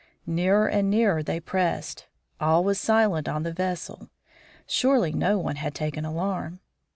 Nearer and nearer they pressed. All was silent on the vessel. Surely no one had taken alarm.